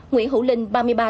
nguyễn hữu linh